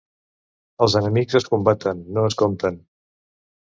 Els enemics es combaten, no es compten.